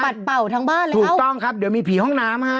เป่าทั้งบ้านเลยถูกต้องครับเดี๋ยวมีผีห้องน้ำฮะ